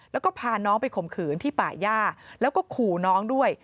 แล้วก็พาน้องไปข่มขืนที่ป่าย่าแล้วก็ขู่น้องด้วย